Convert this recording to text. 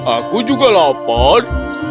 aku juga lapar